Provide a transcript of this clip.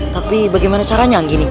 tapi bagaimana caranya anggi ini